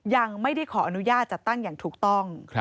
ยังไม่ได้ขออนุญาตจัดตั้งอย่างถูกต้อง